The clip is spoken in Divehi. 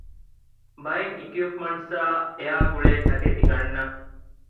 ބައެއް އިކްއިޕްމަންޓާއި އެއާގުޅޭ ތަކެތި ގަންނަން